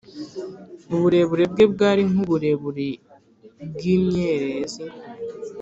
uburebure bwe bwari nk’uburebure bw’imyerezi